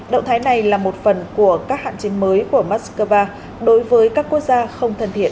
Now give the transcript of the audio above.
động thái này là một phần của các hạn chế mới của moscow đối với các quốc gia không thân thiện